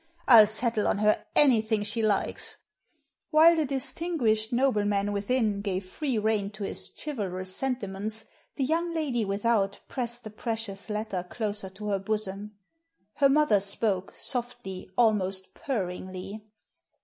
I'll settle on her anything she likes I " While the distinguished nobleman within gave free rein to his chivalrous sentiments, the young lady with out pressed the precious letter closer to her bosom. Her nlother spoke — ^softly, almost purringly.